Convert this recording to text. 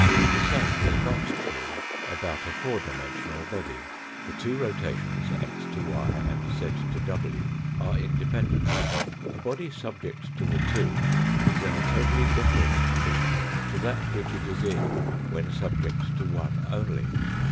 The same is not true about a four dimensional body. The two rotations, x to y and z to w, are independent. A body subject to the two is in a totally different condition to that which it is in wheiv subject to one only.